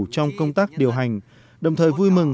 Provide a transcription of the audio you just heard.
trong công tác điều hành đồng thời vui mừng